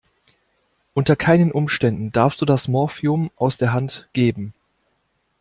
Unter keinen Umständen darfst du das Morphium aus der Hand geben.